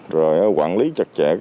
rồi quản lý chặt chẽ